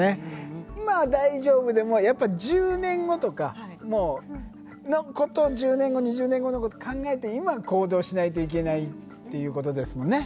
今は大丈夫でもやっぱ１０年後とかもう１０年後２０年後のこと考えて今行動しないといけないっていうことですもんね。